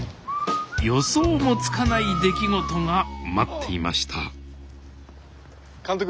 予想もつかない出来事が待っていました